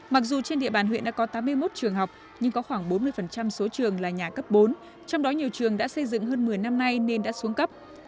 mặc dù trên địa bàn huyện đã có tám mươi một trường học nhưng có khoảng bốn mươi số trường là nhà cấp bốn trong đó nhiều trường đã xây dựng hơn một mươi năm nay nên đã xuống cấp